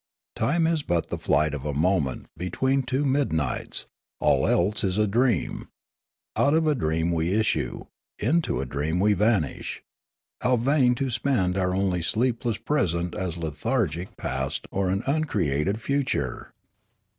Time is but the flight of a moment be tween two midnights ; all else is a dream ; out of a dream we issue; into a dream we vanish ; how vain to spend our only sleepless present as a lethargic past or an uncreated future